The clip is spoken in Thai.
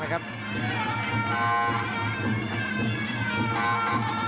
ทางหวังกดข้อ